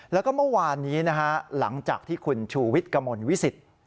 แล้วก็เมื่อวานนี้นะฮะหลังจากที่คุณชูวิทย์กระมวลวิสิต